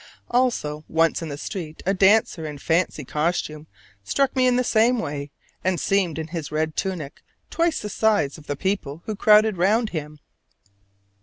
Also once in the street a dancer in fancy costume struck me in the same way, and seemed in his red tunic twice the size of the people who crowded round him.